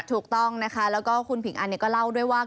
ถูกต้องนะคะแล้วก็คุณผิงอันก็เล่าด้วยว่า